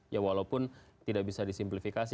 ya walaupun tidak bisa disimplifikasi